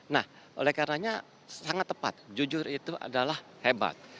nah oleh karenanya sangat tepat jujur itu adalah hebat